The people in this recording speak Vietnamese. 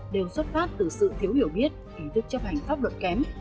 đều xuất phát từ sự thiếu hiểu biết ý thức chấp hành pháp luật kém